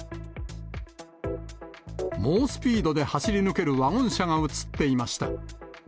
猛スピードで走り抜けるワゴン車が写っていました。